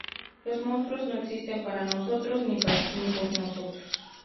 Los monstruos no existen para nosotros, ni por nosotros.